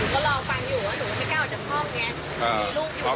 ก็เลยโทรบอก